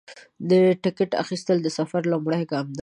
د ټکټ اخیستل د سفر لومړی ګام دی.